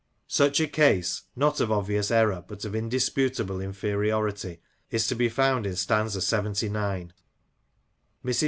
Such a case — not of obvious error, but of indisputable inferiority — is to be found in stanza Ixxix. Mrs.